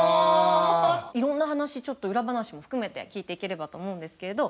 いろんな話ちょっとウラ話も含めて聞いていければと思うんですけれど。